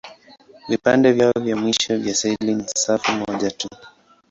Vipande vyao vya mwisho vya seli ni safu moja tu.